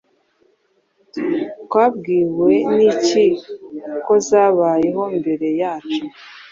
twabwiwe n’iki kozabayeho mbere yacu